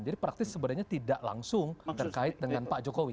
jadi praktis sebenarnya tidak langsung terkait dengan pak jokowi